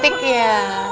bisa suntik ya